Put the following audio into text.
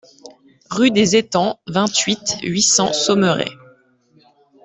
Rue des Etangs, vingt-huit, huit cents Saumeray